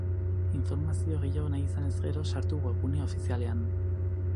Informazio gehiago nahi izanez gero, sartu webgune ofizialean.